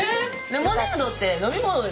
レモネードって飲み物ですよね？